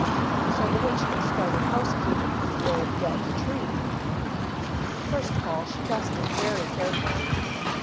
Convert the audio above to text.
So the Witch started housekeeping in r the old, dead tree. First of all she dusted very carefully.